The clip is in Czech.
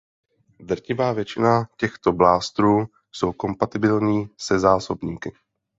Drtivá většina těchto blástrů jsou kompatibilní se zásobníky.